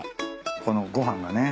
このご飯がね